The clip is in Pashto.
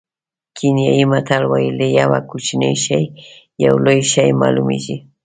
کینیايي متل وایي له یوه کوچني شي یو لوی شی معلومېږي.